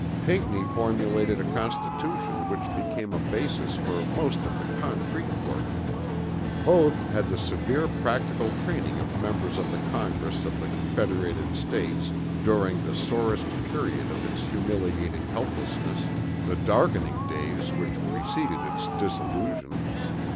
Pinckney formulated a constitution which became a basis for the most of the concrete work. Both had had the severe practical training of members of the Congress of the Confederated States during the sorest period of its humiliating helplessness, the darkening days which preceded its dissolution.